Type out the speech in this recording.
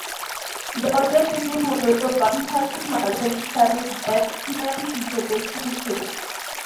দলে তিনি মূলতঃ বামহাতি মাঝারিসারির ব্যাটসম্যান হিসেবে খেলছেন।